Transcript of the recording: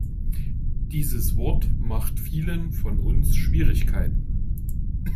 Dieses Wort macht vielen von uns Schwierigkeiten.